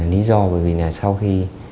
lý do bởi vì là sau khi